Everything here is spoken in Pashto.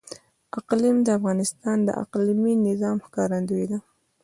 اقلیم د افغانستان د اقلیمي نظام ښکارندوی ده.